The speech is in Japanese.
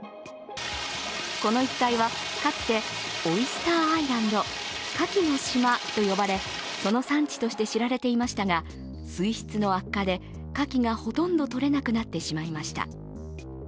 この一帯はかつてオイスターアイランド＝カキの島と呼ばれその産地として知られていましたが、水質の悪化でカキがほとんどとれなくなってしまいました。